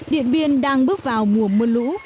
điện biên đang bước vào mùa mưa lũ